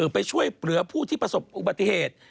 ไปช่วยเหลือผู้ที่ประสบอุบัติเหตุ